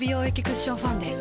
クッションファンデ